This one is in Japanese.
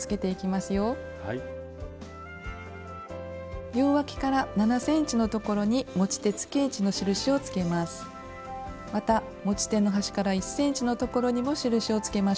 また持ち手の端から１ｃｍのところにも印をつけましょう。